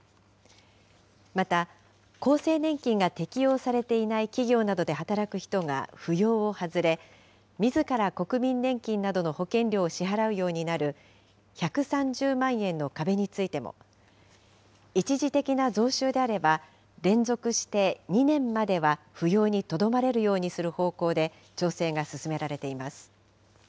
また、厚生年金が適用されていない企業などで働く人が扶養を外れ、みずから国民年金などの保険料を支払うようになる、１３０万円の壁についても、一時的な増収であれば、連続して２年までは扶養にとどまれるようにする方向で調整が進められています。